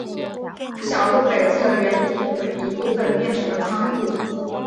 小路北侧原义地的一部分变成了仓库。